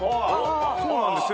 そうなんですよ。